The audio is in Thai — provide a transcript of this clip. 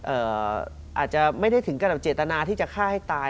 อาจจะไม่ได้ถึงกับเจตนาที่จะฆ่าให้ตาย